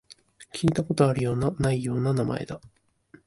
聞いたことあるような、ないような名前だ